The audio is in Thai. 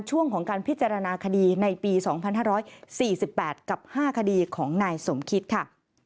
ช่วงของการพิจารณาคดีในปี๒๕๔๘กับ๕คดีของนายสมคิดค่ะ